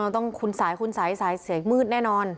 ต้องคุณสายคุณสายสายเสียงมืดแน่นอน